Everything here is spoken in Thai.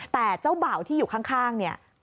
แต่เจ้าเบาที่อยู่ข้างนี่